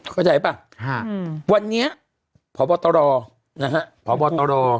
เข้าใจป่ะวันนี้พบตลอพบตลอ